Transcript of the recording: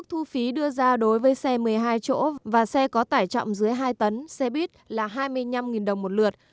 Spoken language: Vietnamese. thu phí đưa ra đối với xe một mươi hai chỗ và xe có tải trọng dưới hai tấn xe buýt là hai mươi năm đồng một lượt